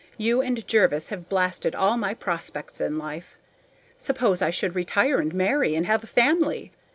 You and Jervis have blasted all my prospects in life. Suppose I should retire and marry and have a family.